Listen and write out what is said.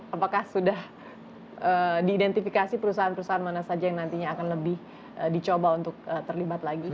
apakah sudah diidentifikasi perusahaan perusahaan mana saja yang nantinya akan lebih dicoba untuk terlibat lagi